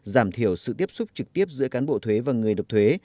giảm thiểu sự tiếp xúc trực tiếp giữa cán bộ thuế và người nộp thuế